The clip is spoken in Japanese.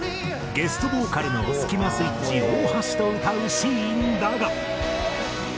ゲストボーカルのスキマスイッチ大橋と歌うシーンだが。